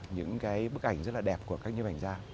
những cái bức ảnh rất là đẹp của các nhiếp ảnh gia